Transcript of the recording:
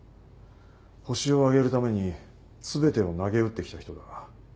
ホシを挙げるために全てをなげうってきた人だ。